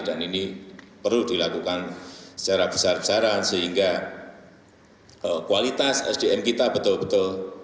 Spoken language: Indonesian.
dan ini perlu dilakukan secara besar besaran sehingga kualitas sdm kita betul betul berhasil